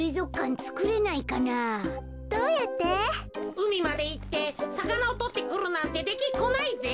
うみまでいってさかなをとってくるなんてできっこないぜ。